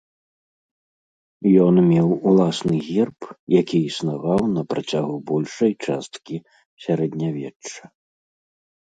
Ён меў уласны герб, які існаваў на працягу большай часткі сярэднявечча.